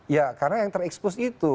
ya karena yang terekspos itu